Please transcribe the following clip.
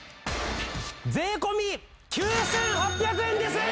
税込９８００円です！